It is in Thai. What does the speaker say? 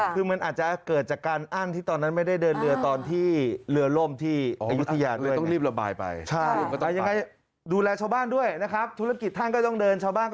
คือมันอาจจะเกิดจากการอั้นที่ตอนนั้นไม่ได้เดินเหลือ